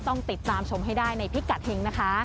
ต้องติดตามชมให้ได้ในพิกัดเฮงนะคะ